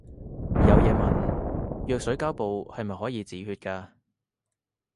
有嘢問，藥水膠布係咪可以止血㗎